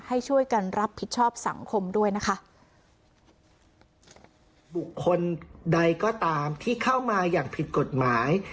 ให้ช่วยกันรับผิดชอบสังคมด้วยนะคะบุคคลใดก็ตามที่เข้ามาอย่างผิดกฎหมาย